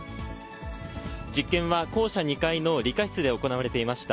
実験は校舎２階の理科室で行われていました。